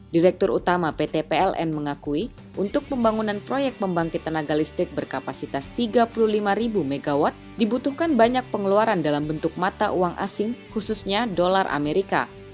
direktur utama pt pln mengakui untuk pembangunan proyek pembangkit tenaga listrik berkapasitas tiga puluh lima mw dibutuhkan banyak pengeluaran dalam bentuk mata uang asing khususnya dolar amerika